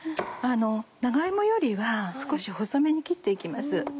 長芋よりは少し細めに切って行きます。